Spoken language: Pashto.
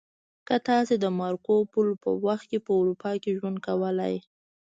که تاسې د مارکو پولو په وخت کې په اروپا کې ژوند کولی